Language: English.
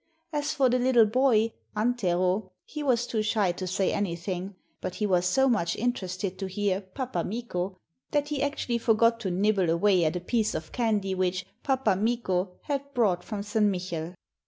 As for the little boy, Antero, he was too shy to say anything; but he was so much interested to hear 'Pappa Mikko' that he actually forgot to nibble away at a piece of candy which 'Pappa Mikko' had brought from St. Michel.